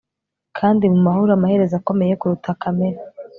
Kandi mumahoro amaherezo akomeye kuruta kamere